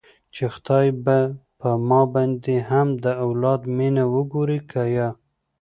چې خداى به په ما باندې هم د اولاد مينه وګوري که يه.